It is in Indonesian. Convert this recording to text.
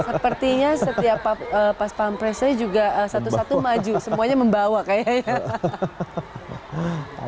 sepertinya setiap pas paham presiden juga satu satu maju semuanya membawa kayaknya